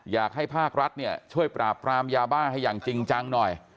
อยากให้ภาครัฐเนี่ยช่วยปราบปรามยาบ้าให้อย่างจริงจังหน่อย